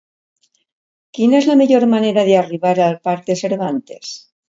Quina és la millor manera d'arribar al parc de Cervantes?